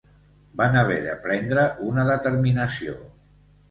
Van haver de prendre una determinació